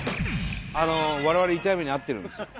我々痛い目に遭ってるんですよ。